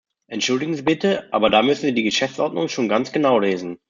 Entschuldigen Sie bitte, aber da müssen Sie die Geschäftsordnung schon ganz genau lesen.